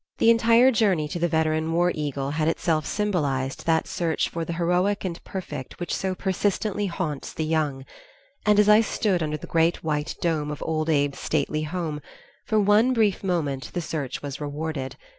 The entire journey to the veteran war eagle had itself symbolized that search for the heroic and perfect which so persistently haunts the young; and as I stood under the great white dome of Old Abe's stately home, for one brief moment the search was rewarded.